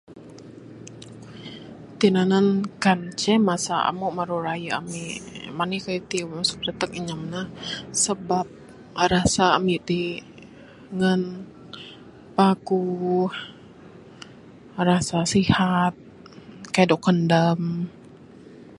Tinanen wang en ceh maru raye ami manih kayuh ti capat inyam ne. Sabab rasa ami ti ngan paguh rasa sihat kaik dog kandam